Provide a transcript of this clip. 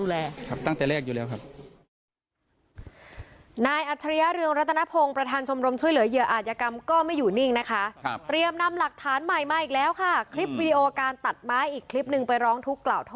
ลุงยินดีที่จะมอบพญานาคต์ให้กับรัฐดูแล